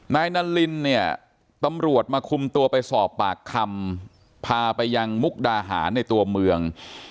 นายนารินเนี่ยตำรวจมาคุมตัวไปสอบปากคำพาไปยังมุกดาหารในตัวเมือง